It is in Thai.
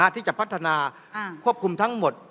ที่จะพัฒนาควบคุมทั้งหมด